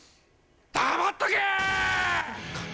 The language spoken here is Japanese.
黙っとけ！